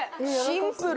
シンプル。